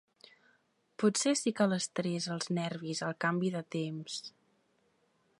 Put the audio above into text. Potser sí que l'estrès, els nervis, el canvi de temps...